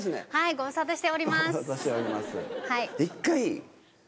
ご無沙汰しております。